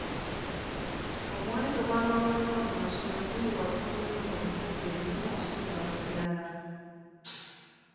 Omuwendo gw'abawanduka mu masomero guli waggulu nnyo mu bitundu ebimu okusinga ku birala.